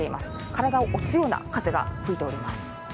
体を押すような風が吹いています。